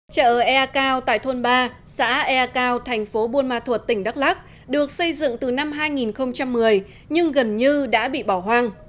chợ e cao tại thôn ba xã ea cao thành phố buôn ma thuột tỉnh đắk lắc được xây dựng từ năm hai nghìn một mươi nhưng gần như đã bị bỏ hoang